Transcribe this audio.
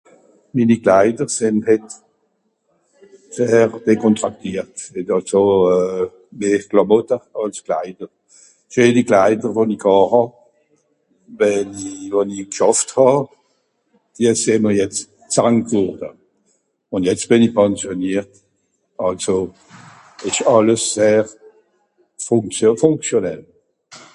minni klaider sìn het sìn eher décontractiert wie àls so euh mehr klamotte àls klaide scheeni klaider wòn'i gàh hà wenn'i won'i g'schàfft hà jetz sìn mr jetz .... ùn jetz bìn ìsch pensionniert àlso esch àlles her fonctio fonctionnel